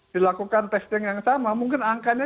dilakukan testing yang sama mungkin angkanya